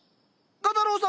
画太郎さん